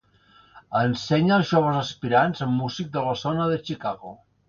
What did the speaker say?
Ensenya els joves aspirants a músic de la zona de Chicago.